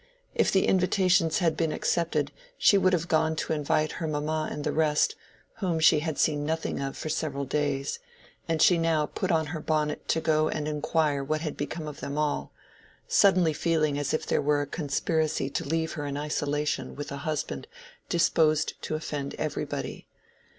If the invitations had been accepted she would have gone to invite her mamma and the rest, whom she had seen nothing of for several days; and she now put on her bonnet to go and inquire what had become of them all, suddenly feeling as if there were a conspiracy to leave her in isolation with a husband disposed to offend everybody.